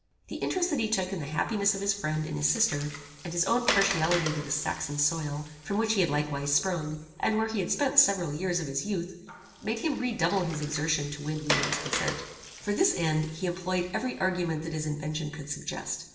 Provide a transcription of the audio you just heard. The interest that he took in the happiness of his friend and his sister, and his own partiality to the Saxon soil, from which he had likewise sprung, and where he had spent several years of his youth, made him redouble his exertions to win Wieland's consent. For this end he employed every argument that his invention could suggest.